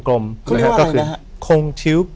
คุณเรียกว่าอะไรนะครับ